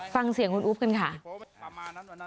ฟังเสียงคุณอุ๊บกันค่ะ